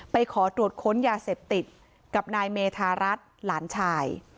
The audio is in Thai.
ขอตรวจค้นยาเสพติดกับนายเมธารัฐหลานชาย